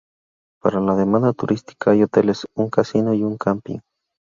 Para la demanda turística hay hoteles, un casino y un camping.